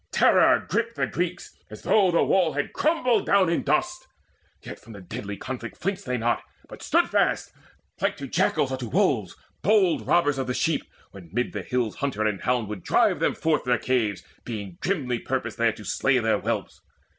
Terror gripped the Greeks, As though that wall had crumbled down in dust; Yet from the deadly conflict flinched they not, But stood fast, like to jackals or to wolves Bold robbers of the sheep when mid the hills Hunter and hound would drive them forth their caves, Being grimly purposed there to slay their whelps.